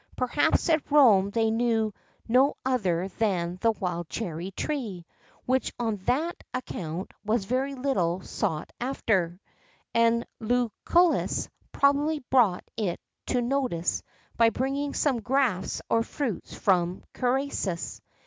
Perhaps at Rome they knew no other than the wild cherry tree, which on that account was very little sought after, and Lucullus probably brought it to notice by bringing some grafts or fruits from Cerasus.